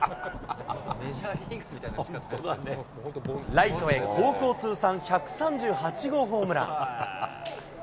ライトへ高校通算１３８号ホームラン。